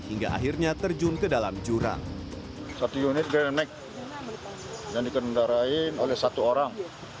hingga akhirnya terjun ke dalam jurang